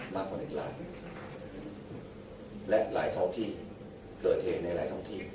มากกว่าเด็กหลายและหลายท้องที่เกิดเหตุในหลายท้องที่